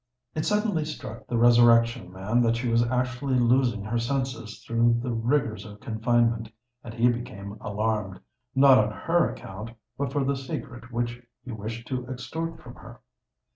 It suddenly struck the Resurrection Man that she was actually losing her senses through the rigours of confinement; and he became alarmed—not on her account, but for the secret which he wished to extort from her.